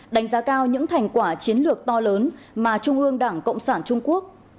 đánh giá cao những thành quả chiến lược to lớn mà trung ương đảng cộng sản trung quốc